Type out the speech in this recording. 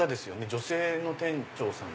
女性の店長さん？